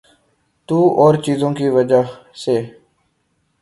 تو اورچیزوں کی وجہ سے۔